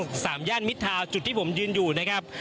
ฝั่งห้างสามย่านมิธาจุดที่ผมยืนอยู่นะครับ